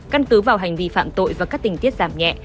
căn cứ vào hành vi phạm tội và các tình tiết giảm nhẹ